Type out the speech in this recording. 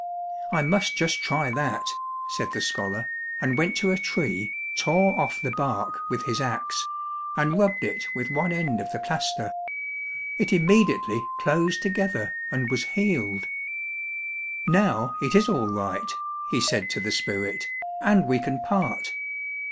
"I must just try that," said the scholar, and went to a tree, tore off the bark with his axe, and rubbed it with one end of the plaster. It immediately closed together and was healed. "Now, it is all right," he said to the spirit, "and we can part."